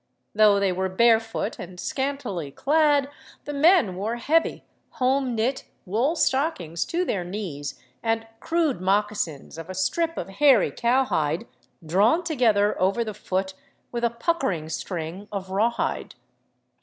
Though they were barefoot and scantily clad, the men wore heavy, home knit wool stock ings to their knees, and crude moccasins of a scrip of hairy cowhide, drawn together over the foot with a " puckering string '' of rawhide.